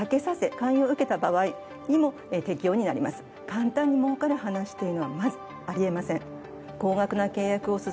簡単に儲かる話というのはまずあり得ません。